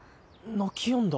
泣きやんだ